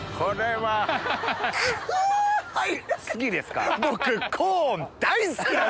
はい。